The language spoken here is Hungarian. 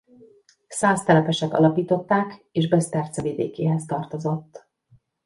Szász telepesek alapították és Beszterce vidékéhez tartozott.